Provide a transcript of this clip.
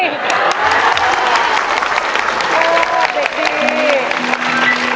เด็กดี